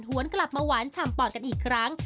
วนกลับมาหวานฉ่ำปอดกันอีกครั้ง